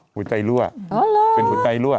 หัวใจรั่วเป็นหัวใจรั่ว